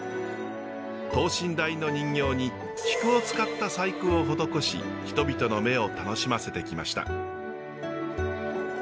等身大の人形に菊を使った細工を施し人々の目を楽しませてきました。